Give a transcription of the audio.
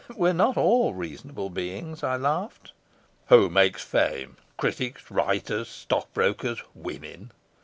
"We're not all reasonable beings," I laughed. "Who makes fame? Critics, writers, stockbrokers, women."